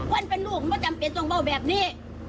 ว่านเป็นลูกมันไม่จำเป็นตรงเบาแบบนี้